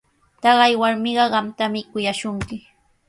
Taqay warmiqa qamtami kuyashunki.